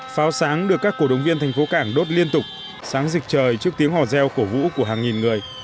pháo sáng được các cổ động viên thành phố cảng đốt liên tục sáng dịch trời trước tiếng hò reo cổ vũ của hàng nghìn người